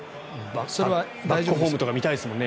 バックホームとか見たいですもんね。